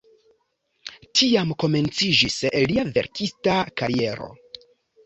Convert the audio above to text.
Tiam komenciĝis lia verkista kariero.